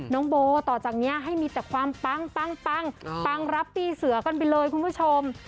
น้องโบต่อจากนี้ให้มีแต่ความปังปังรับปีเสือกันไปเลยคุณผู้ชม